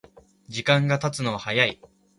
時間がたつのは早い